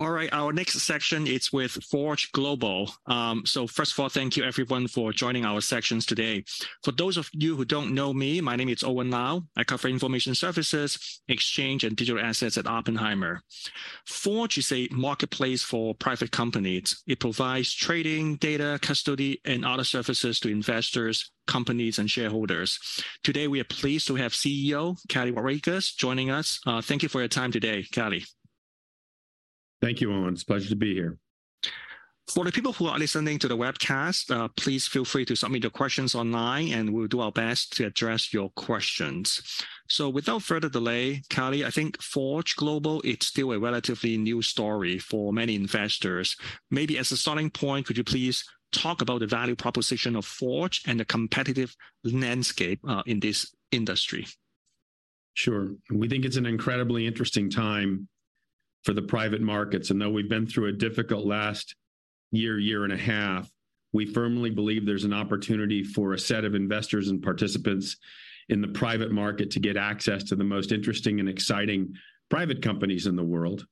All right, our next section is with Forge Global. First of all, thank you everyone for joining our sections today. For those of you who don't know me, my name is Owen Lau. I cover information services, exchange, and digital assets at Oppenheimer. Forge is a marketplace for private companies. It provides trading, data, custody, and other services to investors, companies, and shareholders. Today, we are pleased to have CEO Kelly Rodriques joining us. Thank you for your time today, Kelly. Thank you, Owen. It's a pleasure to be here. For the people who are listening to the webcast, please feel free to submit your questions online, and we'll do our best to address your questions. Without further delay, Kelly, I think Forge Global, it's still a relatively new story for many investors. Maybe as a starting point, could you please talk about the value proposition of Forge and the competitive landscape, in this industry? Sure. We think it's an incredibly interesting time for the private markets, and though we've been through a difficult last year, year and a half, we firmly believe there's an opportunity for a set of investors and participants in the private market to get access to the most interesting and exciting private companies in the world.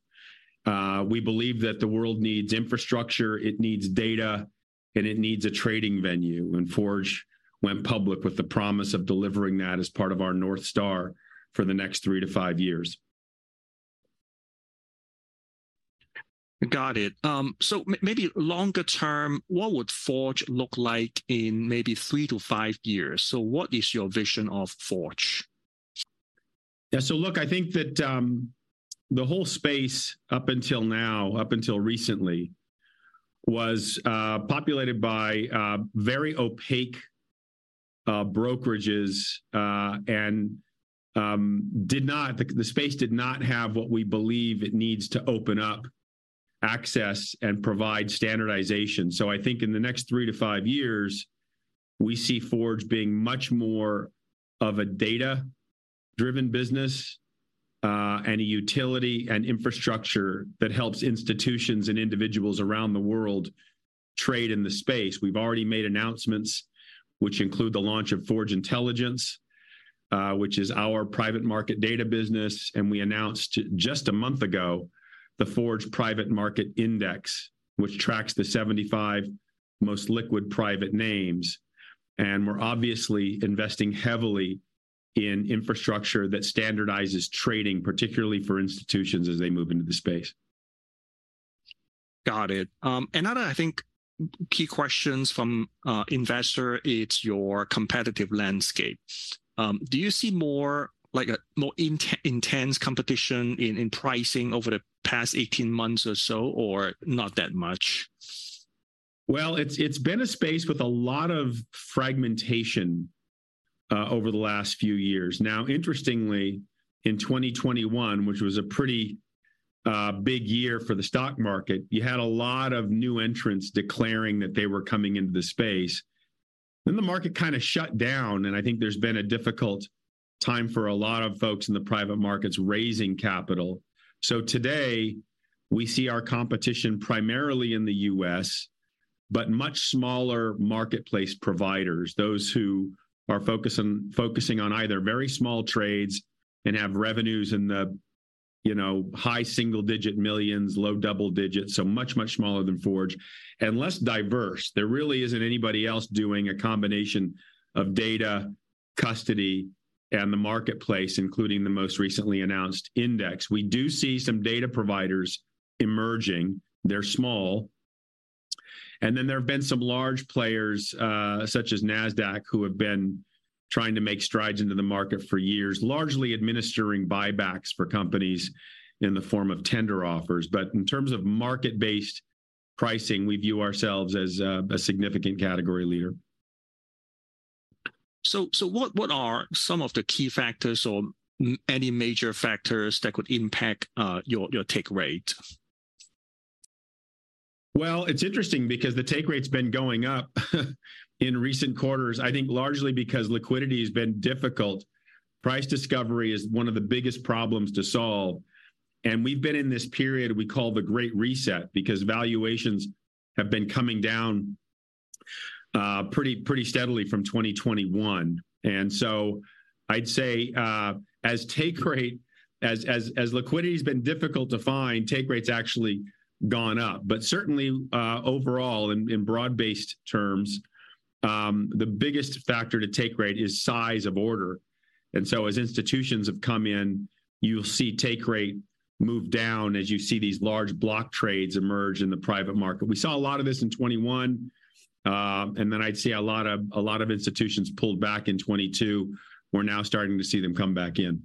We believe that the world needs infrastructure, it needs data, and it needs a trading venue, and Forge went public with the promise of delivering that as part of our North Star for the next three to five years. Got it. maybe longer term, what would Forge look like in maybe three to five years? What is your vision of Forge? Yeah, look, I think that the whole space up until now, up until recently, was populated by very opaque brokerages, and did not... the space did not have what we believe it needs to open up access and provide standardization. I think in the next three to five years, we see Forge being much more of a data-driven business, and a utility and infrastructure that helps institutions and individuals around the world trade in the space. We've already made announcements, which include the launch of Forge Intelligence, which is our private market data business, and we announced just a month ago, the Forge Private Market Index, which tracks the 75 most liquid private names. We're obviously investing heavily in infrastructure that standardizes trading, particularly for institutions as they move into the space. Got it. Another, I think, key questions from investor, it's your competitive landscape. Do you see more, like a more intense competition in pricing over the past 18 months or so, or not that much? Well, it's, it's been a space with a lot of fragmentation over the last few years. Interestingly, in 2021, which was a pretty big year for the stock market, you had a lot of new entrants declaring that they were coming into the space. The market kind of shut down, and I think there's been a difficult time for a lot of folks in the private markets raising capital. Today, we see our competition primarily in the U.S., but much smaller marketplace providers, those who are focusing on either very small trades and have revenues in the, you know, high single-digit millions, low double-digits, so much, much smaller than Forge, and less diverse. There really isn't anybody else doing a combination of data, custody, and the marketplace, including the most recently announced index. We do see some data providers emerging. They're small, and then there have been some large players, such as Nasdaq, who have been trying to make strides into the market for years, largely administering buybacks for companies in the form of tender offers. In terms of market-based pricing, we view ourselves as a, a significant category leader. So what, what are some of the key factors or any major factors that could impact, your, your take rate? Well, it's interesting because the take rate's been going up in recent quarters, I think largely because liquidity has been difficult. Price discovery is one of the biggest problems to solve, and we've been in this period we call the Great Reset because valuations have been coming down, pretty, pretty steadily from 2021. I'd say, as take rate, as liquidity has been difficult to find, take rate's actually gone up. Certainly, overall, in, in broad-based terms, the biggest factor to take rate is size of order. As institutions have come in, you'll see take rate move down, as you see these large block trades emerge in the private market. We saw a lot of this in 2021, and then I'd say a lot of, a lot of institutions pulled back in 2022. We're now starting to see them come back in.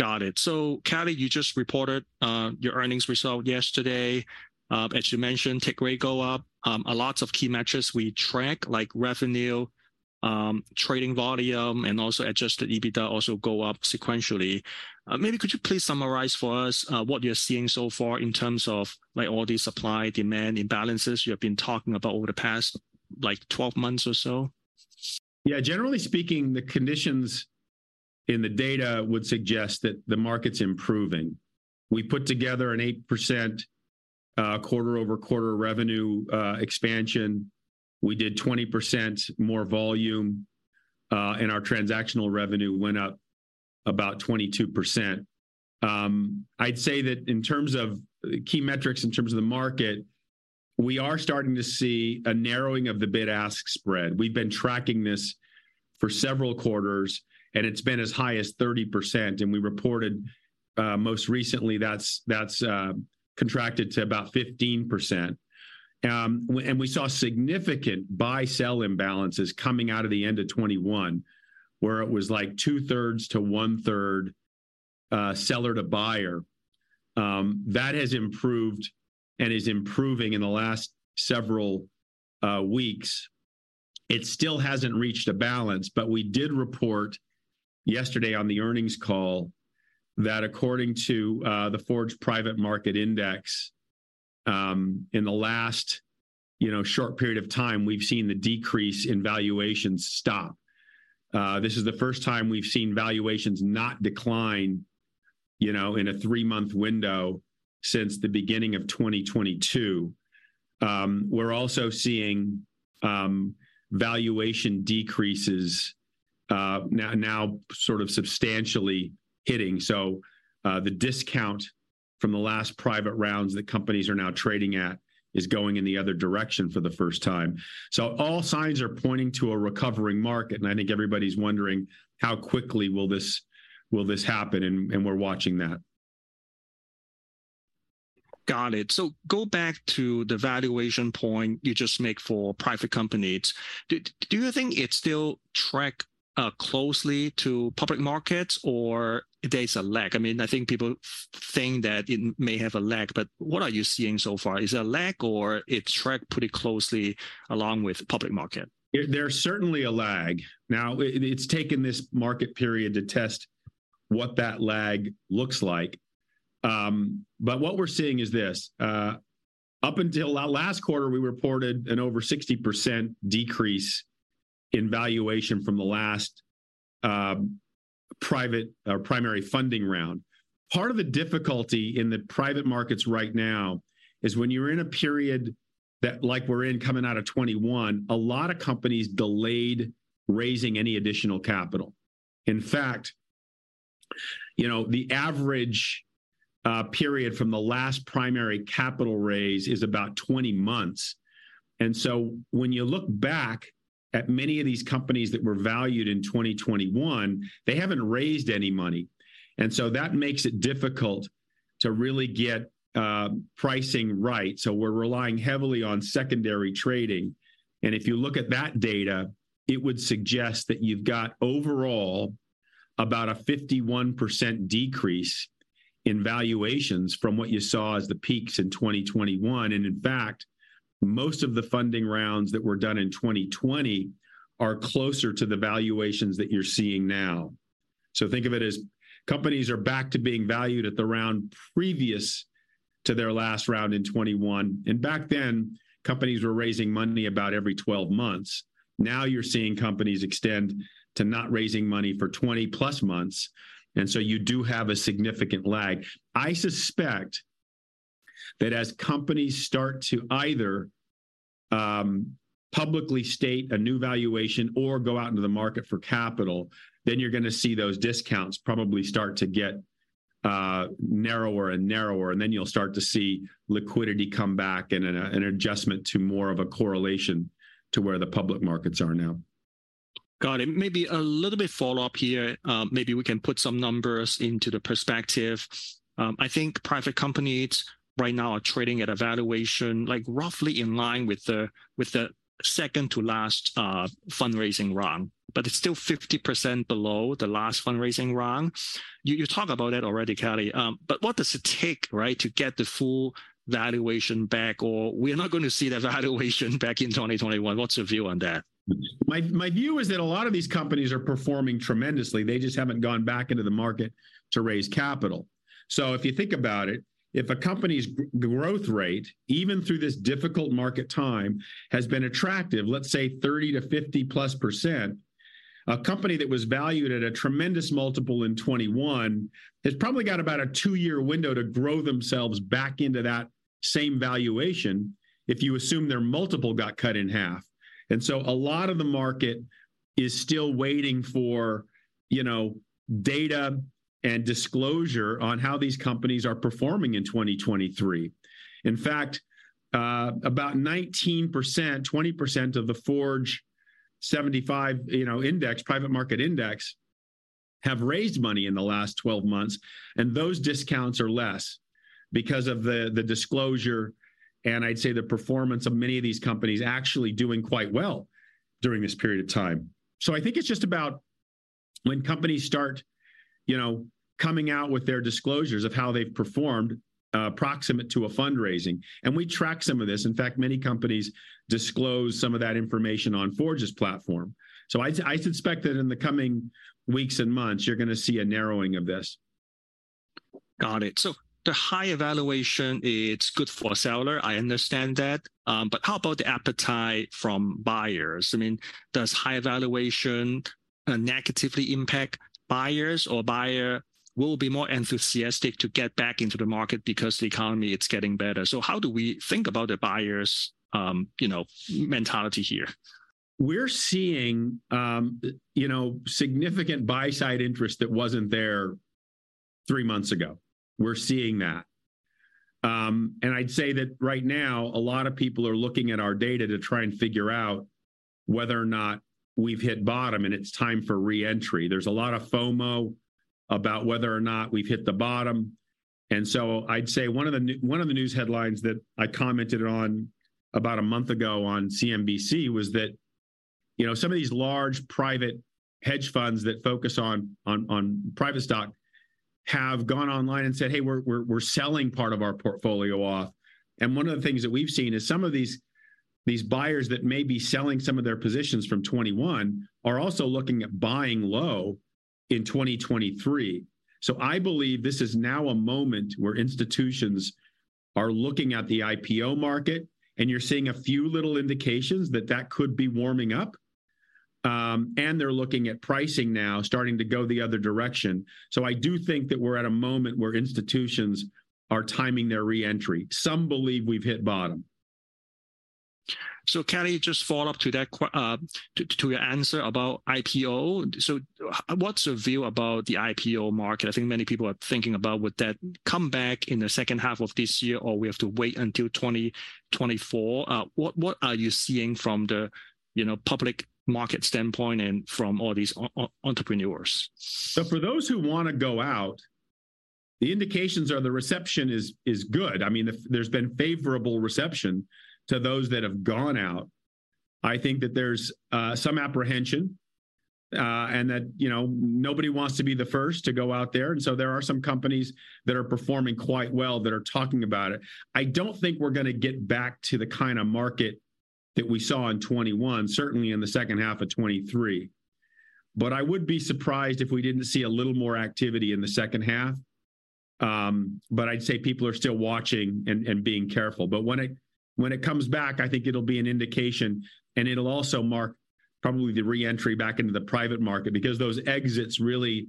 Got it. Kelly, you just reported, your earnings result yesterday. As you mentioned, take rate go up. A lots of key metrics we track, like revenue, trading volume, and also adjusted EBITDA, also go up sequentially. Maybe could you please summarize for us, what you're seeing so far in terms of, like, all these supply-demand imbalances you have been talking about over the past, like, 12 months or so? Yeah. Generally speaking, the conditions in the data would suggest that the market's improving. We put together an 8%-... quarter-over-quarter revenue expansion. We did 20% more volume, and our transactional revenue went up about 22%. I'd say that in terms of key metrics, in terms of the market, we are starting to see a narrowing of the bid-ask spread. We've been tracking this for several quarters, and it's been as high as 30%, and we reported most recently that's, that's contracted to about 15%. We saw significant buy-sell imbalances coming out of the end of 2021, where it was, like, 2/3 to 1/3 seller to buyer. That has improved and is improving in the last several weeks. It still hasn't reached a balance. We did report yesterday on the earnings call that according to the Forge Private Market Index, in the last, you know, short period of time, we've seen the decrease in valuations stop. This is the first time we've seen valuations not decline, you know, in a three-month window since the beginning of 2022. We're also seeing valuation decreases, now sort of substantially hitting. The discount from the last private rounds the companies are now trading at is going in the other direction for the first time. All signs are pointing to a recovering market, and I think everybody's wondering: How quickly will this, will this happen? We're watching that. Got it. Go back to the valuation point you just make for private companies. Do you think it still track, closely to public markets, or there's a lag? I mean, I think people think that it may have a lag, but what are you seeing so far? Is it a lag or it track pretty closely along with public market? There, there's certainly a lag. Now, it, it's taken this market period to test what that lag looks like. What we're seeing is this, up until last quarter, we reported an over 60% decrease in valuation from the last private primary funding round. Part of the difficulty in the private markets right now is when you're in a period that, like we're in coming out of 2021, a lot of companies delayed raising any additional capital. In fact, you know, the average period from the last primary capital raise is about 20 months. When you look back at many of these companies that were valued in 2021, they haven't raised any money, and so that makes it difficult to really get pricing right. We're relying heavily on secondary trading, and if you look at that data, it would suggest that you've got overall, about a 51% decrease in valuations from what you saw as the peaks in 2021. In fact, most of the funding rounds that were done in 2020 are closer to the valuations that you're seeing now. Think of it as companies are back to being valued at the round previous to their last round in 2021. Back then, companies were raising money about every 12 months. Now, you're seeing companies extend to not raising money for 20+ months, and so you do have a significant lag. I suspect that as companies start to either publicly state a new valuation or go out into the market for capital, then you're gonna see those discounts probably start to get narrower and narrower, and then you'll start to see liquidity come back and an, a, an adjustment to more of a correlation to where the public markets are now. Got it. Maybe a little bit follow-up here. Maybe we can put some numbers into the perspective. I think private companies right now are trading at a valuation, like, roughly in line with the, with the second-to-last, fundraising round, but it's still 50% below the last fundraising round. You, you talked about that already, Kelly Rodriques, what does it take, right, to get the full valuation back, or we are not gonna see the valuation back in 2021? What's your view on that? My view is that a lot of these companies are performing tremendously. They just haven't gone back into the market to raise capital. If you think about it, if a company's growth rate, even through this difficult market time, has been attractive, let's say 30%-50%+, a company that was valued at a tremendous multiple in 2021 has probably got about a two-year window to grow themselves back into that same valuation, if you assume their multiple got cut in half. A lot of the market is still waiting for, you know, data and disclosure on how these companies are performing in 2023. In fact, about 19%, 20% of the Forge 75, you know, index, private market index, have raised money in the last 12 months, and those discounts are less because of the, the disclosure, and I'd say, the performance of many of these companies actually doing quite well during this period of time. I think it's just about when companies start, you know, coming out with their disclosures of how they've performed proximate to a fundraising, and we track some of this. In fact, many companies disclose some of that information on Forge's platform. I, I suspect that in the coming weeks and months, you're gonna see a narrowing of this. Got it. The high evaluation, it's good for seller, I understand that. How about the appetite from buyers? I mean, does high valuation negatively impact buyers, or buyer will be more enthusiastic to get back into the market because the economy, it's getting better? How do we think about the buyers', you know, mentality here?... We're seeing, you know, significant buy-side interest that wasn't there three months ago. We're seeing that. I'd say that right now, a lot of people are looking at our data to try and figure out whether or not we've hit bottom, and it's time for re-entry. There's a lot of FOMO about whether or not we've hit the bottom. I'd say one of the news headlines that I commented on about a month ago on CNBC was that, you know, some of these large private hedge funds that focus on private stock have gone online and said, "Hey, we're, we're, we're selling part of our portfolio off." One of the things that we've seen is some of these, these buyers that may be selling some of their positions from 2021 are also looking at buying low in 2023. I believe this is now a moment where institutions are looking at the IPO market. You're seeing a few little indications that that could be warming up. They're looking at pricing now, starting to go the other direction. I do think that we're at a moment where institutions are timing their re-entry. Some believe we've hit bottom. Kelly, just follow up to that your answer about IPO. What's your view about the IPO market? I think many people are thinking about, would that come back in the second half of this year, or we have to wait until 2024? What, what are you seeing from the, you know, public market standpoint and from all these entrepreneurs? For those who wanna go out, the indications are the reception is, is good. I mean, there's been favorable reception to those that have gone out. I think that there's some apprehension, and that, you know, nobody wants to be the first to go out there, and so there are some companies that are performing quite well that are talking about it. I don't think we're gonna get back to the kind of market that we saw in 2021, certainly in the second half of 2023. I would be surprised if we didn't see a little more activity in the second half. I'd say people are still watching and, and being careful. When it, when it comes back, I think it'll be an indication, and it'll also mark probably the re-entry back into the private market because those exits really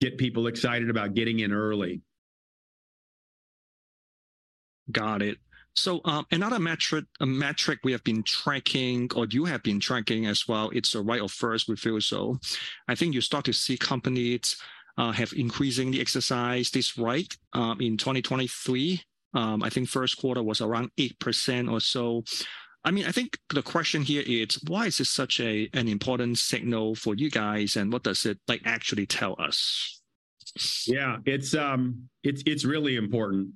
get people excited about getting in early. Got it. Another metric, a metric we have been tracking, or you have been tracking as well, it's the right of first refusal. I think you start to see companies have increasingly exercised this right in 2023. I think first quarter was around 8% or so. I mean, I think the question here is: Why is this an important signal for you guys, and what does it, like, actually tell us? Yeah, it's, it's, it's really important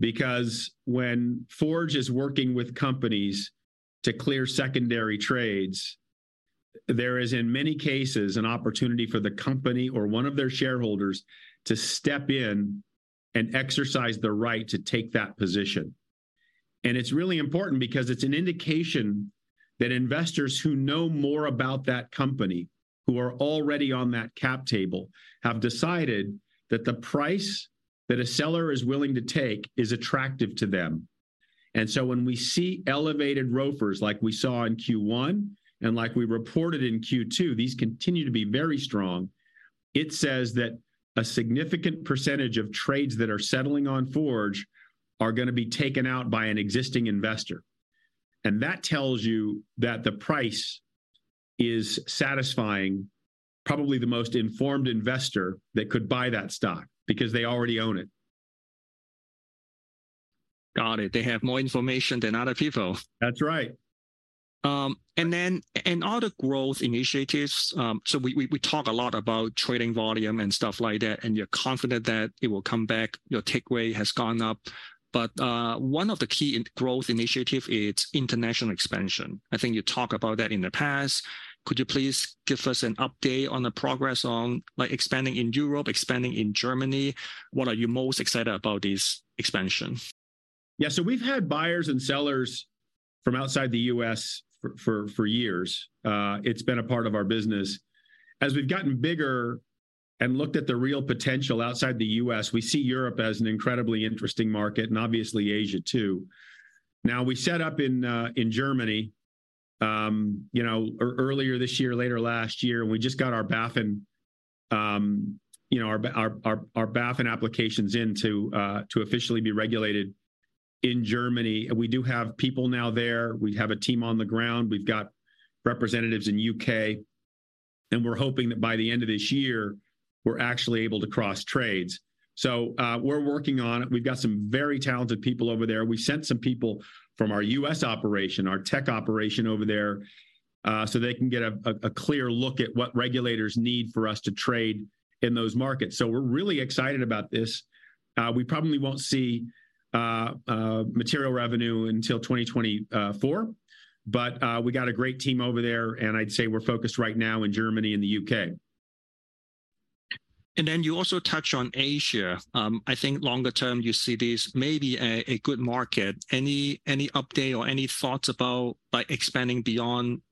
because when Forge is working with companies to clear secondary trades, there is, in many cases, an opportunity for the company or one of their shareholders to step in and exercise the right to take that position. It's really important because it's an indication that investors who know more about that company, who are already on that cap table, have decided that the price that a seller is willing to take is attractive to them. When we see elevated ROFRs, like we saw in Q1 and like we reported in Q2, these continue to be very strong, it says that a significant percentage of trades that are settling on Forge are gonna be taken out by an existing investor, and that tells you that the price is satisfying probably the most informed investor that could buy that stock because they already own it. Got it. They have more information than other people. That's right. Other growth initiatives. We, we, we talk a lot about trading volume and stuff like that, and you're confident that it will come back. Your takeaway has gone up. One of the key in growth initiative is international expansion. I think you talk about that in the past. Could you please give us an update on the progress on, like, expanding in Europe, expanding in Germany? What are you most excited about this expansion? Yeah, we've had buyers and sellers from outside the U.S. for, for, for years. It's been a part of our business. As we've gotten bigger and looked at the real potential outside the U.S., we see Europe as an incredibly interesting market, obviously Asia, too. Now, we set up in Germany, you know, earlier this year, later last year, we just got our BaFin, you know, our, our, our BaFin applications into to officially be regulated in Germany. We do have people now there. We have a team on the ground. We've got representatives in U.K., we're hoping that by the end of this year, we're actually able to cross trades. We're working on it. We've got some very talented people over there. We sent some people from our U.S. operation, our tech operation over there, so they can get a clear look at what regulators need for us to trade in those markets. We're really excited about this. We probably won't see material revenue until 2024, but we got a great team over there, and I'd say we're focused right now in Germany and the U.K. Then you also touched on Asia. I think longer term, you see this may be a, a good market. Any, any update or any thoughts about by expanding beyond,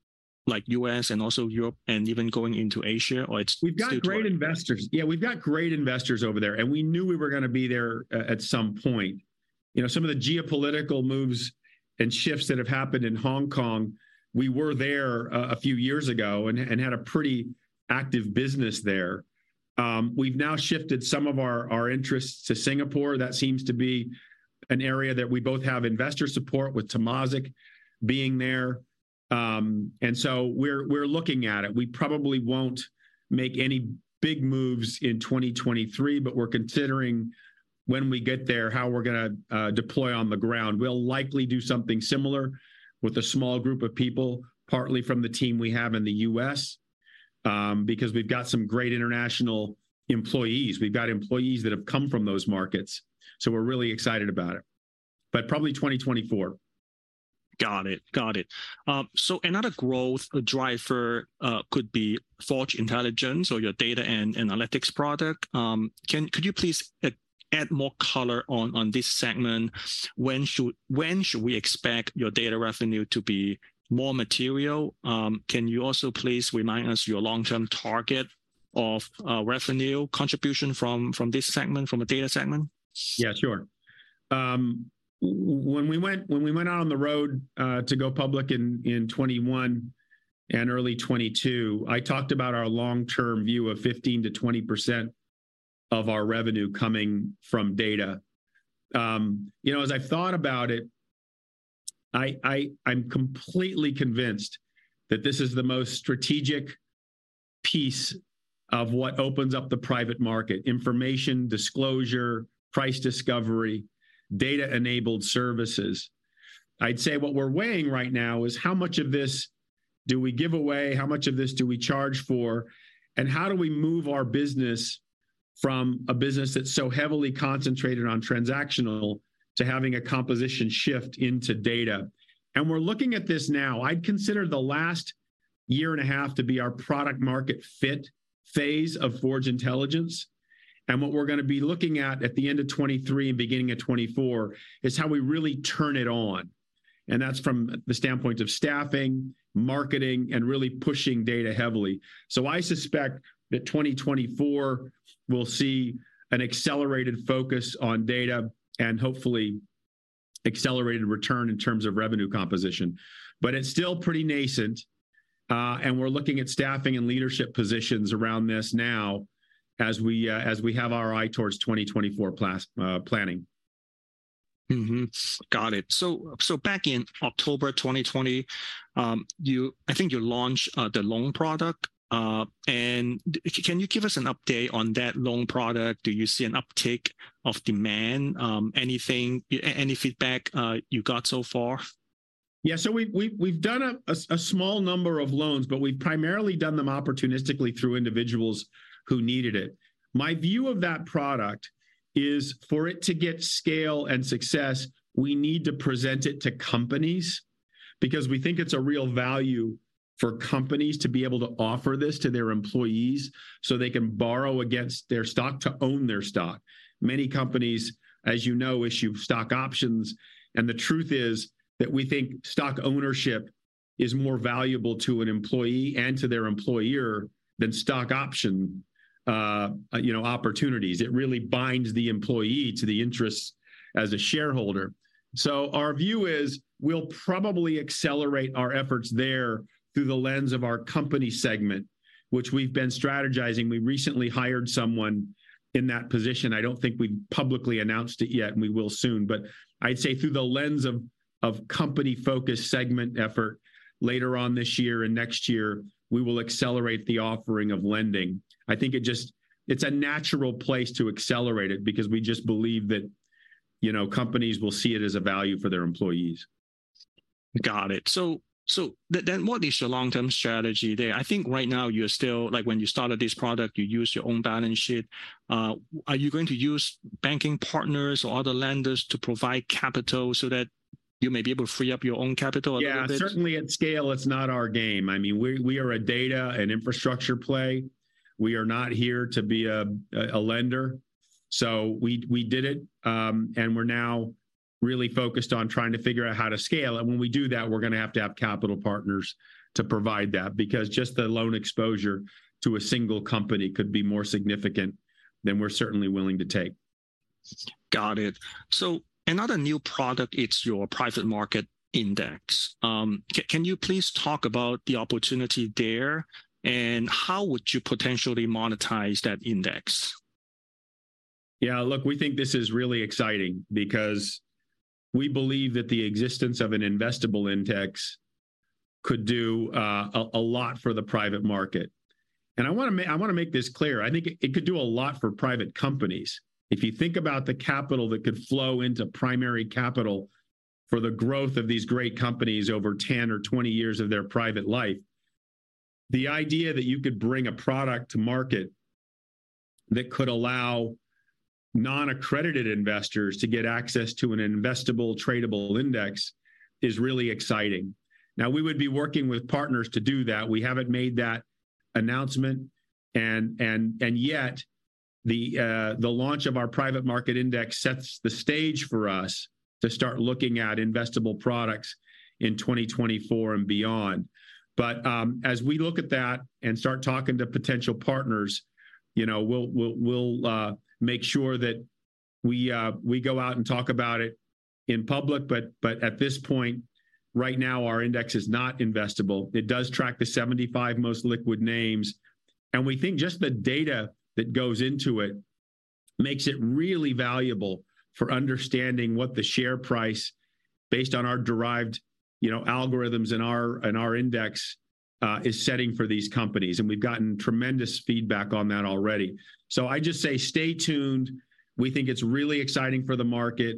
like, U.S. and also Europe and even going into Asia, or it's still? We've got great investors. Yeah, we've got great investors over there, and we knew we were gonna be there at some point. You know, some of the geopolitical moves and shifts that have happened in Hong Kong, we were there a few years ago and had a pretty active business there. We've now shifted some of our interests to Singapore. That seems to be an area that we both have investor support with Temasek being there. We're looking at it. We probably won't make any big moves in 2023, but we're considering when we get there, how we're gonna deploy on the ground. We'll likely do something similar with a small group of people, partly from the team we have in the US, because we've got some great international employees. We've got employees that have come from those markets, so we're really excited about it. probably 2024. Got it. Got it. Another growth driver, could be Forge Intelligence or your data and analytics product. Could you please add more color on, on this segment? When should, when should we expect your data revenue to be more material? Can you also please remind us your long-term target of revenue contribution from, from this segment, from the data segment? Yeah, sure. When we went out on the road, to go public in 2021 and early 2022, I talked about our long-term view of 15%-20% of our revenue coming from data. you know, as I've thought about it, I'm completely convinced that this is the most strategic piece of what opens up the private market: information, disclosure, price discovery, data-enabled services. I'd say what we're weighing right now is how much of this do we give away, how much of this do we charge for, and how do we move our business from a business that's so heavily concentrated on transactional to having a composition shift into data? We're looking at this now. I'd consider the last year and a half to be our product market fit phase of Forge Intelligence. What we're gonna be looking at at the end of 2023 and beginning of 2024 is how we really turn it on, and that's from the standpoint of staffing, marketing, and really pushing data heavily. I suspect that 2024 will see an accelerated focus on data and hopefully accelerated return in terms of revenue composition. It's still pretty nascent, and we're looking at staffing and leadership positions around this now as we have our eye towards 2024 planning. Got it. So back in October 2020, you, I think you launched the loan product. Can you give us an update on that loan product? Do you see an uptick of demand? Anything, any feedback you got so far? We, we've, we've done a small number of loans, but we've primarily done them opportunistically through individuals who needed it. My view of that product is, for it to get scale and success, we need to present it to companies, because we think it's a real value for companies to be able to offer this to their employees, so they can borrow against their stock to own their stock. Many companies, as you know, issue stock options, and the truth is that we think stock ownership is more valuable to an employee and to their employer than stock option, you know, opportunities. Our view is, we'll probably accelerate our efforts there through the lens of our company segment, which we've been strategizing. We recently hired someone in that position. I don't think we've publicly announced it yet. We will soon. I'd say through the lens of, of company focus segment effort later on this year and next year, we will accelerate the offering of lending. I think it just. It's a natural place to accelerate it because we just believe that, you know, companies will see it as a value for their employees. Got it. Then what is your long-term strategy there? I think right now you're still, like, when you started this product, you used your own balance sheet. Are you going to use banking partners or other lenders to provide capital so that you may be able to free up your own capital a little bit? Yeah, certainly at scale, it's not our game. I mean, we, we are a data and infrastructure play. We are not here to be a lender. We, we did it, and we're now really focused on trying to figure out how to scale it. When we do that, we're gonna have to have capital partners to provide that, because just the loan exposure to a single company could be more significant than we're certainly willing to take. Got it. Another new product, it's your Private Market Index. Can you please talk about the opportunity there, and how would you potentially monetize that index? Yeah, look, we think this is really exciting because we believe that the existence of an investable index could do a lot for the private market. I wanna make this clear: I think it, it could do a lot for private companies. If you think about the capital that could flow into primary capital for the growth of these great companies over 10 or 20 years of their private life, the idea that you could bring a product to market that could allow non-accredited investors to get access to an investable, tradable index is really exciting. We would be working with partners to do that. We haven't made that announcement, and yet, the launch of our Private Market Index sets the stage for us to start looking at investable products in 2024 and beyond. As we look at that and start talking to potential partners, you know, we'll, we'll, we'll make sure we go out and talk about it in public, but, but at this point, right now, our index is not investable. It does track the 75 most liquid names, and we think just the data that goes into it makes it really valuable for understanding what the share price, based on our derived, you know, algorithms and our, and our index, is setting for these companies, and we've gotten tremendous feedback on that already. I just say, stay tuned. We think it's really exciting for the market.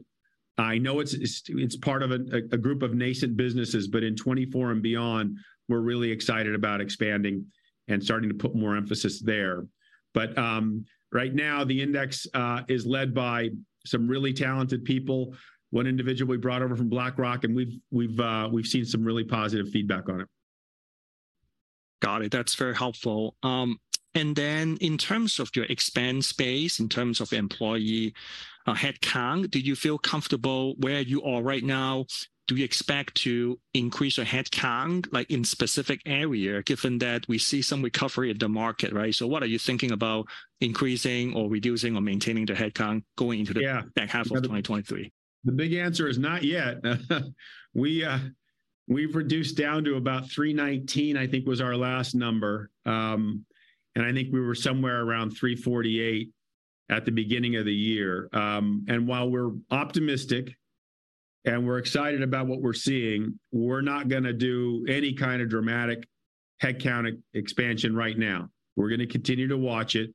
I know it's, it's, it's part of a, a group of nascent businesses, but in 2024 and beyond, we're really excited about expanding and starting to put more emphasis there. Right now, the index, is led by some really talented people, one individual we brought over from BlackRock, and we've, we've, we've seen some really positive feedback on it. Got it. That's very helpful. In terms of your expense base, in terms of employee headcount, do you feel comfortable where you are right now? Do you expect to increase your headcount in specific area, given that we see some recovery in the market? What are you thinking about increasing or reducing or maintaining the headcount going into the... Yeah back half of 2023? The big answer is not yet. We, we've reduced down to about 319, I think was our last number. I think we were somewhere around 348 at the beginning of the year. While we're optimistic and we're excited about what we're seeing, we're not gonna do any kind of dramatic headcount expansion right now. We're gonna continue to watch it,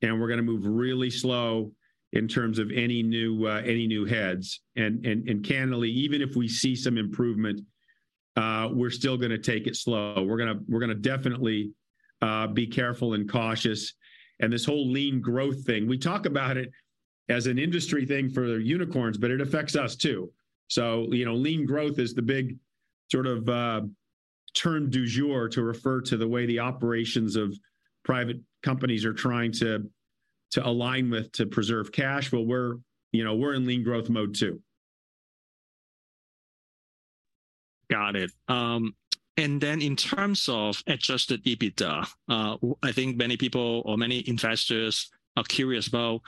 and we're gonna move really slow in terms of any new, any new heads. Candidly, even if we see some improvement, we're still gonna take it slow. We're gonna, we're gonna definitely, be careful and cautious. This whole lean growth thing, we talk about it as an industry thing for unicorns, but it affects us too. you know, lean growth is the big sort of, term du jour to refer to the way the operations of private companies are trying to, to align with, to preserve cash. Well, we're, you know, we're in lean growth mode, too. Got it. Then in terms of adjusted EBITDA, I think many people or many investors are curious about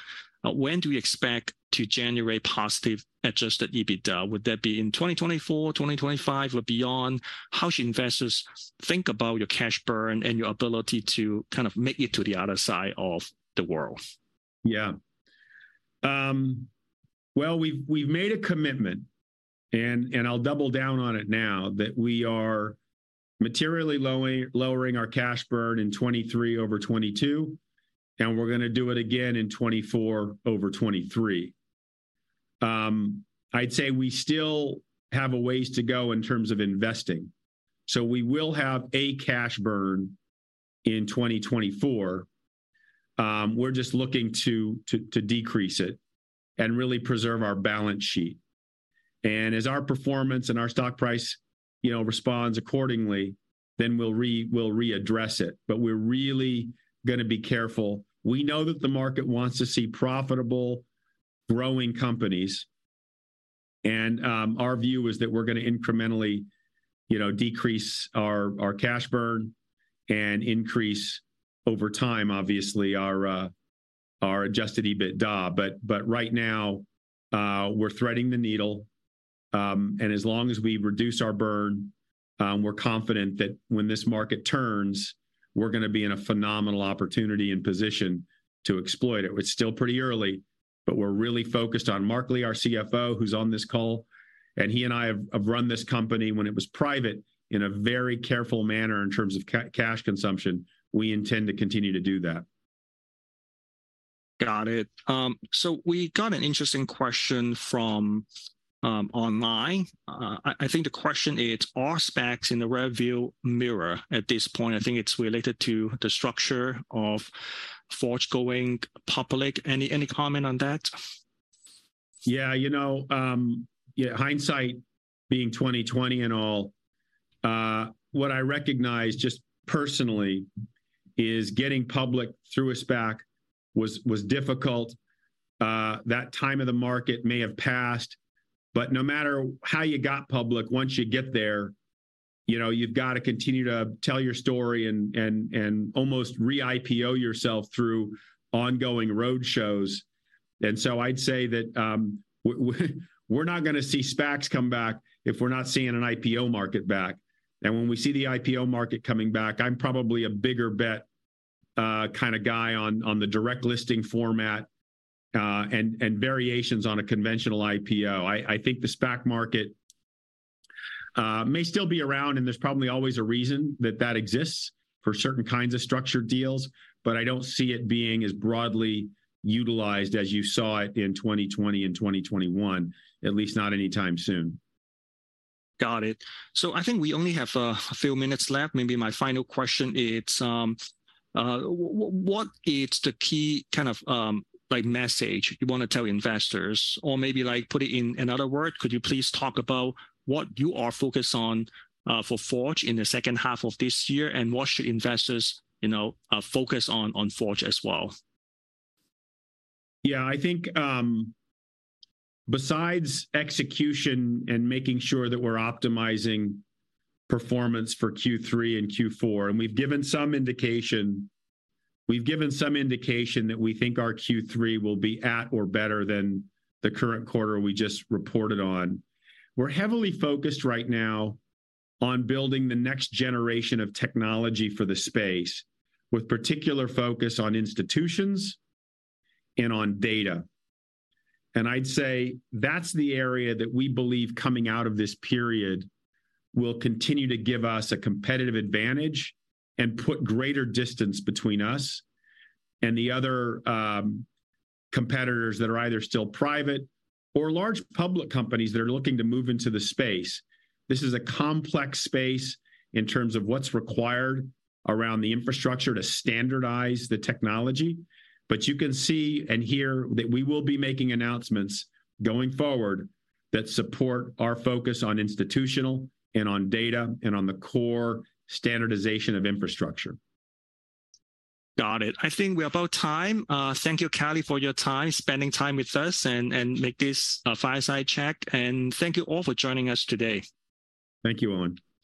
when do you expect to generate positive adjusted EBITDA? Would that be in 2024, 2025 or beyond? How should investors think about your cash burn and your ability to kind of make it to the other side of the world? Yeah. Well, we've made a commitment, and I'll double down on it now, that we are materially lowering, lowering our cash burn in 2023 over 2022, and we're gonna do it again in 2024 over 2023. I'd say we still have a ways to go in terms of investing, so we will have a cash burn in 2024. We're just looking to decrease it and really preserve our balance sheet. As our performance and our stock price, you know, responds accordingly, then we'll readdress it, but we're really gonna be careful. We know that the market wants to see profitable, growing companies, and our view is that we're gonna incrementally, you know, decrease our cash burn and increase over time, obviously, our adjusted EBITDA. Right now, we're threading the needle, and as long as we reduce our burn, we're confident that when this market turns, we're gonna be in a phenomenal opportunity and position to exploit it. It's still pretty early, but we're really focused on Mark Lee, our CFO, who's on this call, and he and I have, have run this company when it was private, in a very careful manner in terms of cash consumption. We intend to continue to do that. Got it. We got an interesting question from online. I, I think the question is, are SPACs in the rearview mirror at this point? I think it's related to the structure of Forge going public. Any, any comment on that? Yeah, you know, hindsight being 20/20 and all, what I recognize just personally is getting public through a SPAC was difficult. That time of the market may have passed, no matter how you got public, once you get there, you know, you've got to continue to tell your story and almost re-IPO yourself through ongoing roadshows. I'd say that we're not gonna see SPACs come back if we're not seeing an IPO market back. When we see the IPO market coming back, I'm probably a bigger bet kind of guy on the direct listing format and variations on a conventional IPO. I, I think the SPAC market may still be around, and there's probably always a reason that that exists for certain kinds of structured deals, but I don't see it being as broadly utilized as you saw it in 2020 and 2021, at least not anytime soon. Got it. I think we only have a, a few minutes left. Maybe my final question is, what is the key kind of, like, message you want to tell investors? Or maybe, like, put it in another word, could you please talk about what you are focused on, for Forge in the second half of this year, and what should investors, you know, focus on on Forge as well? I think, besides execution and making sure that we're optimizing performance for Q3 and Q4, we've given some indication. We've given some indication that we think our Q3 will be at or better than the current quarter we just reported on. We're heavily focused right now on building the next generation of technology for the space, with particular focus on institutions and on data. I'd say that's the area that we believe coming out of this period will continue to give us a competitive advantage and put greater distance between us and the other, competitors that are either still private or large public companies that are looking to move into the space. This is a complex space in terms of what's required around the infrastructure to standardize the technology, but you can see and hear that we will be making announcements going forward that support our focus on institutional and on data and on the core standardization of infrastructure. Got it. I think we're about time. Thank you, Kelly, for your time, spending time with us and make this fireside chat. Thank you all for joining us today. Thank you, Owen.